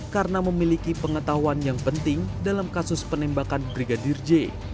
karena memiliki pengetahuan yang penting dalam kasus penembakan brigadir j